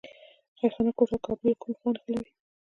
خیرخانه کوتل کابل له کومې خوا نښلوي؟